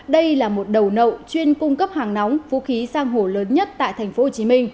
đây là một đầu nậu chuyên cung cấp hàng nóng vũ khí sang hồ lớn nhất tại tp hcm